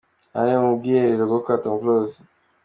Aha ni mu bwiherero bwo kwa Tom Close.